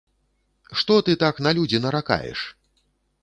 Што ты так на людзі наракаеш?